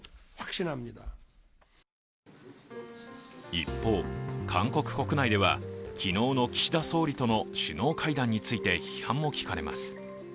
一方、韓国国内では昨日の岸田総理との首脳会談について批判も聞かれます。